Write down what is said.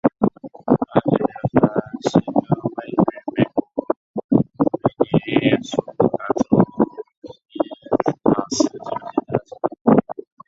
大急流城是一个位于美国明尼苏达州伊塔斯加县的都市。